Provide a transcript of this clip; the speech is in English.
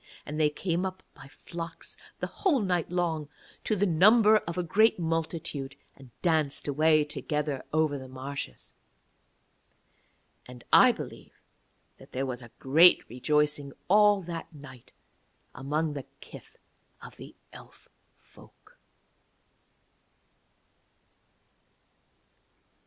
And they came up by flocks the whole night long to the number of a great multitude, and danced away together over the marshes. And I believe that there was a great rejoicing all that night among the kith of the Elf folk.